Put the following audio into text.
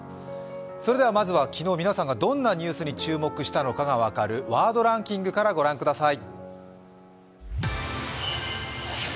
まずは昨日、皆さんがどんなニュースに注目したのかが分かるワードランキングから御覧ください。